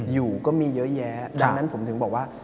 อยู่ก็มีเยอะแยะดังนั้นผมถึงบอกว่า